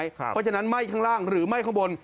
เพราะฉะนั้นไหม้ข้างล่างหรือไหม้ข้างบน